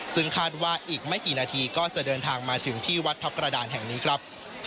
ซึ่งคาดว่าอีกไม่กี่นาทีก็จะเดินทางมาถึงที่วัดทัพกระดานแห่งนี้ครับ